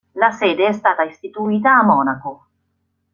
La sede è stata istituita a Monaco.